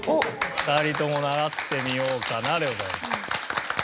２人とも習ってみようかなでございます。